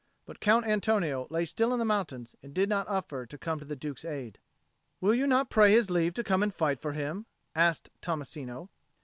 But Count Antonio lay still in the mountains, and did not offer to come to the Duke's aid. "Will you not pray his leave to come and fight for him?" asked Tommasino.